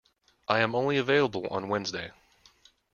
I am only available on Wednesday.